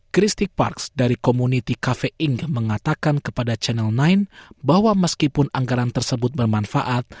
christic parks dari komuniti kafe ink mengatakan kepada channel sembilan bahwa meskipun anggaran tersebut bermanfaat